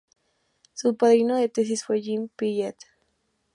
Su padrino de tesis fue Jean Piaget.